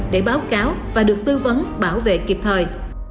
để báo cáo và được tư vấn bảo vệ kịp thời